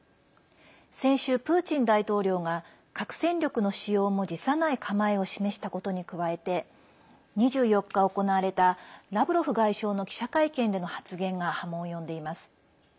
先週、プーチン大統領が核戦力の使用も辞さない構えを示したことに加えて２４日行われた、ラブロフ外相の記者会見での発言が波紋を呼んでいます。